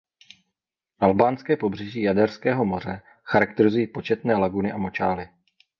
Albánské pobřeží Jaderského moře charakterizují početné laguny a močály.